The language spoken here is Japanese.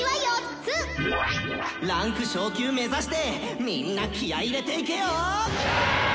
「位階昇級目指してみんな気合い入れていけよ！」。